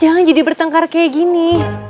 jangan jadi bertengkar kayak gini